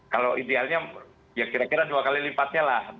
kalau idealnya ya kira kira dua kali lipatnya lah